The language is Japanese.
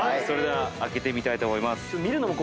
それでは開けてみたいと思います。